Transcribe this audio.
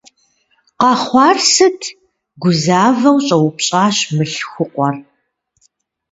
Къэхъуар сыт?- гузэвауэ, щӏэупщӏащ мылъхукъуэр.